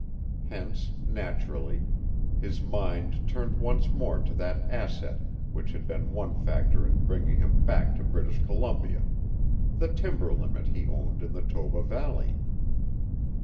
Hence, naturally, his mind turned once more to that asset which had been one factor in bringing him back to British Columbia, the timber limit he owned in the Toba Valley.